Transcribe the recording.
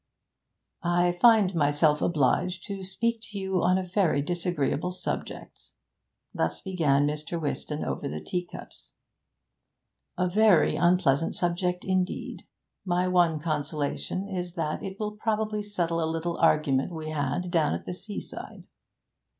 'I find myself obliged to speak to you on a very disagreeable subject' thus began Mr. Whiston over the tea cups 'a very unpleasant subject indeed. My one consolation is that it will probably settle a little argument we had down at the seaside.'